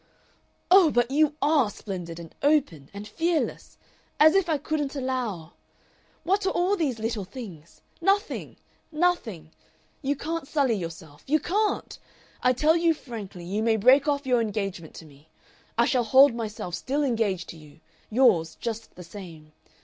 "Oh! but you ARE splendid and open and fearless! As if I couldn't allow! What are all these little things? Nothing! Nothing! You can't sully yourself. You can't! I tell you frankly you may break off your engagement to me I shall hold myself still engaged to you, yours just the same.